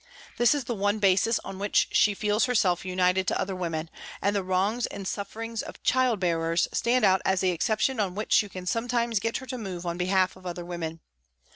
This is the one basis on which she feels herself united to other women, and the wrongs and sufferings of child bearers stand out as the exception on which you can sometimes get her to move on behalf of other women.